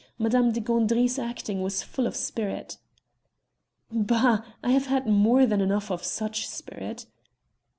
Madame de Gandry's acting was full of spirit." "Bah! I have had more than enough of such spirit."